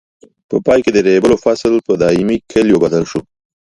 په پای کې د ریبلو فصل په دایمي کلیو بدل شو.